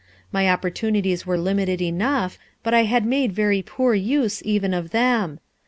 My opportunities were limited enough, but I had made very poor use even of them.